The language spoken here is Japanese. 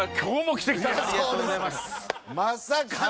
まさかの。